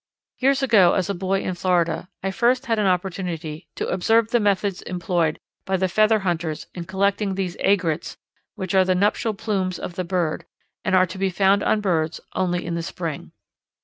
Years ago, as a boy in Florida, I first had an opportunity to observe the methods employed by the feather hunters in collecting these aigrettes which are the nuptial plumes of the bird and are to be found on birds only in the spring.